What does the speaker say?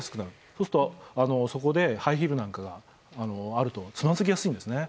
そうすると、そこでハイヒールなんかがあるとつまずきやすいんですね。